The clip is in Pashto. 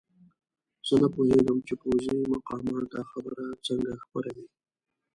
زه نه پوهېږم چې پوځي مقامات دا خبره څنګه خپروي.